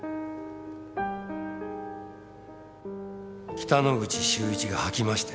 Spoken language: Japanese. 北之口秀一が吐きましたよ。